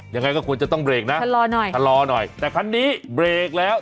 ยังไงก็ควรจะต้องเบรกนะชะลอหน่อยชะลอหน่อยแต่คันนี้เบรกแล้ว